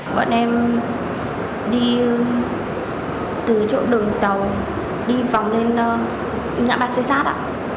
bọn em đi từ chỗ đường tàu đi vòng lên ngã ba xe giáp ạ